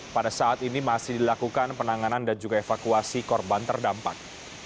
pada saat ini masih dilakukan penanganan dan juga evakuasi korban terdampak